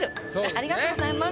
ありがとうございます。